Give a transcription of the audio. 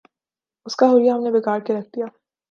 اس کا حلیہ ہم نے بگاڑ کے رکھ دیا۔